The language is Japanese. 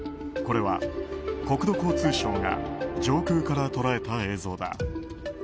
これは、国土交通省が上空から捉えた映像だ。